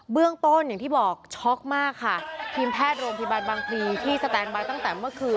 เรื่องต้นอย่างที่บอกช็อกมากค่ะทีมแพทย์โรงพยาบาลบางพลีที่สแตนบายตั้งแต่เมื่อคืน